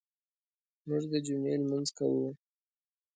موږ د جمعې لمونځ کوو.